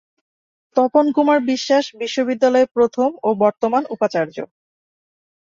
তপন কুমার বিশ্বাস বিশ্ববিদ্যালয়ে প্রথম ও বর্তমান উপাচার্য।